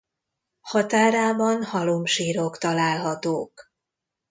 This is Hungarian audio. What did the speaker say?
Határában halomsírok találhatók.